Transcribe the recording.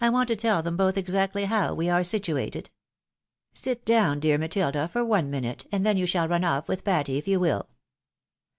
1 want to tell them both exactly how we are situated. Sit down, dear Matilda, for one minute, and then you shall run oif with Patty, if you will."